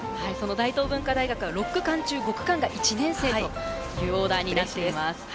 大東文化大は６区中５区間が１年生というオーダーになっています。